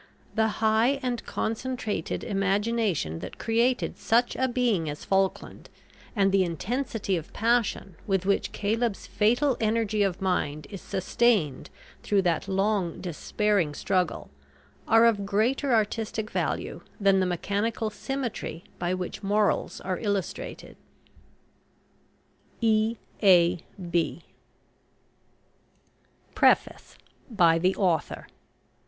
The high and concentrated imagination that created such a being as Falkland, and the intensity of passion with which Caleb's fatal energy of mind is sustained through that long, despairing struggle, are of greater artistic value than the mechanical symmetry by which morals are illustrated. E. A. B. PREFACE BY THE AUTHOR.